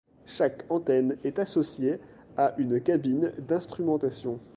Chaque antenne est associée à une cabine d'instrumentation.